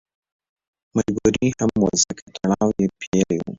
مجبوري هم وه ځکه تړاو یې پېیلی و.